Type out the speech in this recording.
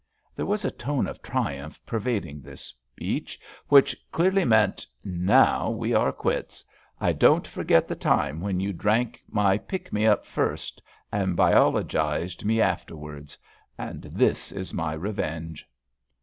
There was a tone of triumph pervading this speech which clearly meant, "Now we are quits. I don't forget the time when you drank my 'pick me up' first, and biologised me afterwards. And this is my revenge."